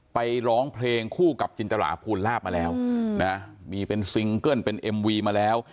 ร้องเพลงคู่กับจินตราภูลลาบมาแล้วนะมีเป็นซิงเกิ้ลเป็นเอ็มวีมาแล้ว